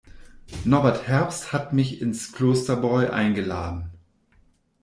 Norbert Herbst hat mich ins Klosterbräu eingeladen.